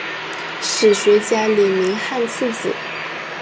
史学家李铭汉次子。